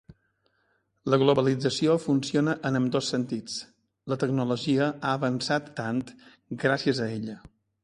La globalització funciona en ambdós sentits. La tecnologia ha avançat tant gràcies a ella.